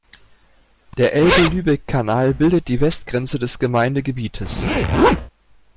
Der Elbe-Lübeck-Kanal bildet die Westgrenze des Gemeindegebietes.